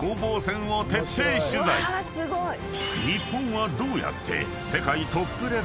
［日本はどうやって］